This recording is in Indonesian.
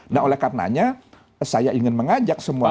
nah oleh karenanya saya ingin mengajak semua